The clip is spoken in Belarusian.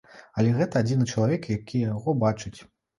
Але гэта адзіны чалавек, які яго бачыць.